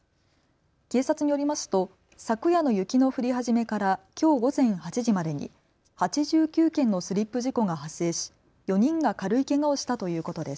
警察によりますと昨夜の雪の降り始めからきょう午前８時までに８９件のスリップ事故が発生し４人が軽いけがをしたということです。